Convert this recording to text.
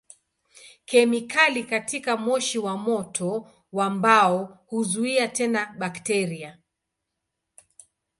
Kemikali katika moshi wa moto wa mbao huzuia tena bakteria.